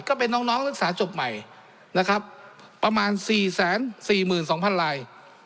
ก็เป็นน้องน้องศึกษาจบใหม่นะครับประมาณสี่แสนสี่หมื่นสองพันลาย